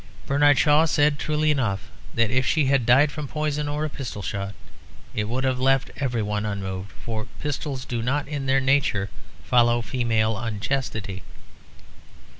Bernard Shaw said, truly enough, that if she had died from poison or a pistol shot it would have left everyone unmoved, for pistols do not in their nature follow female unchastity.